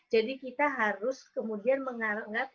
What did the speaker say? jadi kita harus kemudian menganggap